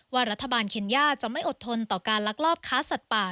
ว่ารัฐบาลเคนย่าจะไม่อดทนต่อการลักลอบค้าสัตว์ป่า